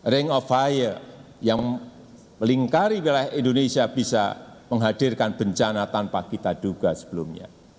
ring of fire yang melingkari wilayah indonesia bisa menghadirkan bencana tanpa kita duga sebelumnya